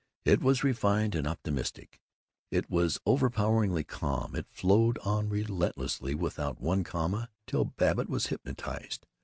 It was refined and optimistic; it was overpoweringly calm; it flowed on relentlessly, without one comma, till Babbitt was hypnotized.